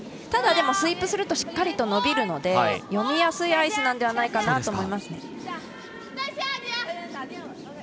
ただスイープするとしっかりと伸びるので読みやすいアイスなのではないかなと思いますね。